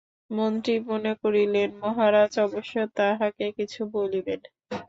মন্ত্রী মনে করিলেন, মহারাজ অবশ্য তাঁহাকে কিছু বলিবেন।